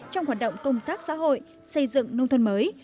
trong hoạt động công tác xã hội xây dựng nông thôn mới